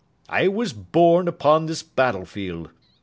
I was born upon this battle field.